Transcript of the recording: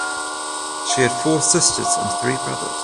She had four sisters and three brothers.